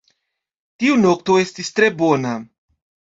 Tiu nokto estis tre bona